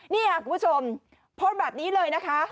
นี่ค่ะคุณผู้ชมโพสต์แบบนี้เลยนะคะ